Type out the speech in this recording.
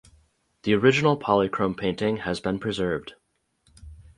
The original polychrome painting has been preserved.